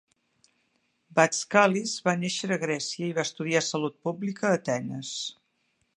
Vatskalis va néixer a Grècia i va estudiar salut pública a Atenes.